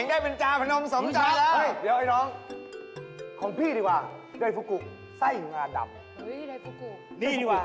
นี่ภัยสุดงานี่นี่ถูกสุด